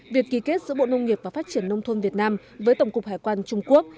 việc ký kết giữa bộ nông nghiệp và phát triển nông thôn việt nam với tổng cục hải quan trung quốc